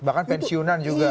bahkan pensiunan juga